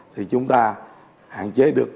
thì chúng ta hạn chế được